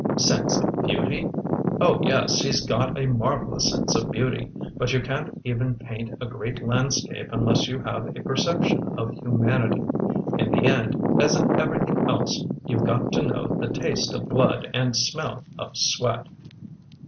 Sense of beauty? Oh, yes, he's got a marvel ous sense of beauty; but you can't even paint a great landscape unless you have a perception of humanity. In the end, as in everything else, you've got to know the taste of blood and smell of sweat."